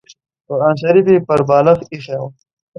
قران شریف یې پر بالښت اېښی و.